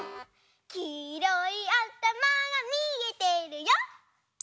「きいろいあたまがみえてるよ」